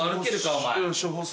お前。